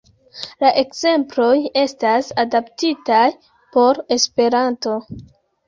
La ekzemploj estas adaptitaj por Esperanto.